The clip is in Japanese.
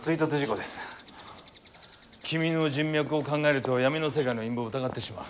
君の人脈を考えると闇の世界の陰謀を疑ってしまう。